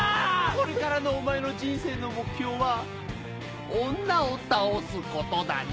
これからのお前の人生の目標は女を倒すことだな。